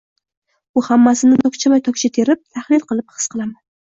— Bu hammasini tokchama-tokcha terib, tahlil qilib, his qilaman.